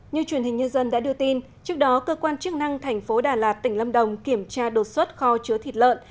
như truyền hình nhân dân đã đưa tin trước đó cơ quan chức năng thành phố đà lạt tỉnh lâm đồng kiểm tra đột xuất kho chứa thịt lợn